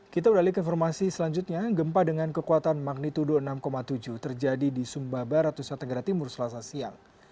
kita beralih ke informasi selanjutnya gempa dengan kekuatan magnitudo enam tujuh terjadi di sumba barat nusa tenggara timur selasa siang